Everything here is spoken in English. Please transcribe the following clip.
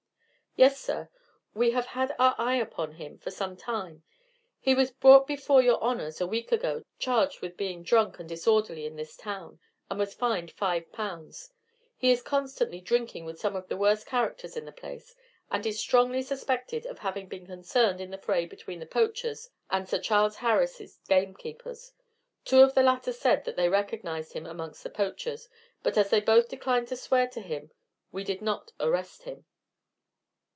"Yes, sir. We have had our eye upon him for some time. He was brought before your honors a week ago charged with being drunk and disorderly in this town, and was fined 5 pounds. He is constantly drinking with some of the worst characters in the place, and is strongly suspected of having been concerned in the fray between the poachers and Sir Charles Harris' gamekeepers. Two of the latter said that they recognized him amongst the poachers, but as they both declined to swear to him we did not arrest him."